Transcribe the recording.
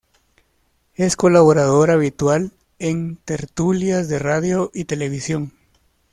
Es colaborador habitual en tertulias de radio y televisión.